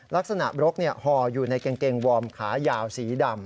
ลักษณะรกห่ออยู่ในกางเกงวอร์มขายาวสีดำ